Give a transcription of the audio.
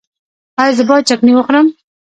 ایا زه باید چکنی وخورم؟